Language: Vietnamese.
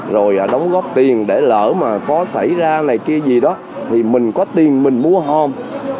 rồi đóng góp tiền để lỡ mà có xảy ra này kia gì đó thì mình có tiền mình mua hom